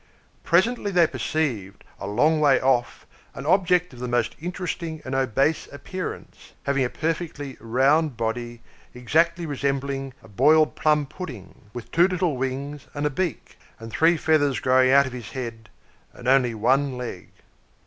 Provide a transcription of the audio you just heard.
Presently they perceived, a long way off, an object of the most interesting and obese appearance, having a perfectly round body exactly resembling a boiled plum pudding, with two little wings, and a beak, and three feathers growing out of his head, and only one leg.